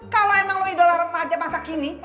kalau emang lo idola remaja masa kini